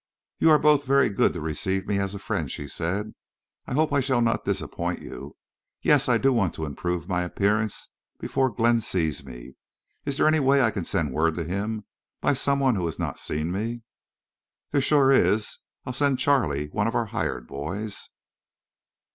"You are both very good to receive me as a friend," she said. "I hope I shall not disappoint you.... Yes, I do want to improve my appearance before Glenn sees me.... Is there any way I can send word to him—by someone who has not seen me?" "There shore is. I'll send Charley, one of our hired boys."